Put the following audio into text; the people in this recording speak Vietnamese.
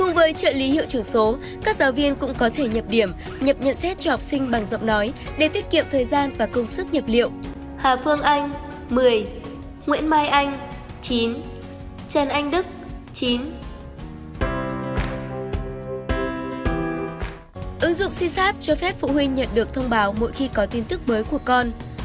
ứng dụng sysapp cho phép phụ huynh nhận được thông báo mỗi khi có tin tức mới của con